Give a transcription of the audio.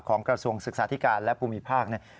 ของกระทรวงศึกษาธิการและภูมิภาค